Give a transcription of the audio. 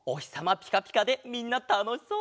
ピカピカでみんなたのしそう！